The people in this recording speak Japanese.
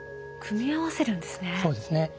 組み合わせるんですね。